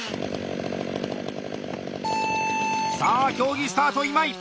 さあ競技スタート今井！